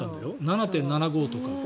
７．７５％とか。